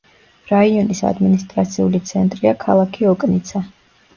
რაიონის ადმინისტრაციული ცენტრია ქალაქი ოკნიცა.